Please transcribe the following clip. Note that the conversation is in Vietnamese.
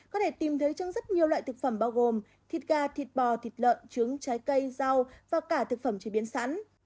có thể tìm thấy trong rất nhiều loại thực phẩm bao gồm thịt gà thịt bò thịt lợn trứng trái cây rau và cả thực phẩm chế biến sẵn